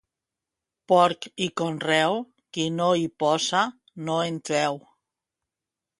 Porc i conreu, qui no hi posa, no en treu.